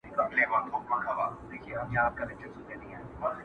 په تول به هر څه برابر وي خو افغان به نه وي،